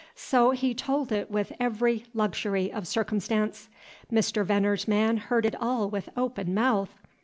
So he told it with every luxury of circumstance. Mr. Veneer's man heard it all with open mouth.